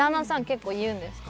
結構言うんですか？